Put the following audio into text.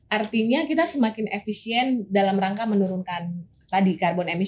artinya kita semakin efisien dalam rangka menurunkan tadi emisi karbon ya